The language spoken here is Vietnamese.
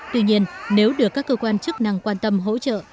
tuy nhiên nếu được các cơ quan chức năng quan tâm hỗ trợ